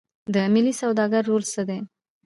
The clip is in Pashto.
د ملي سوداګرو رول څه دی؟